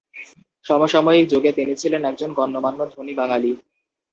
সমসাময়িক যুগে তিনি ছিলেন একজন গণ্যমান্য ধনী বাঙালি।